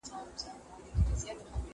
زه پرون لوښي وچوم وم؟